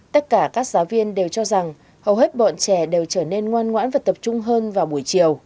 tất cả các giáo viên đều cho rằng hầu hết bọn trẻ đều trở nên ngoan ngoãn và tập trung hơn vào buổi chiều